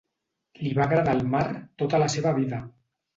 Li va agradar el mar tota la seva vida.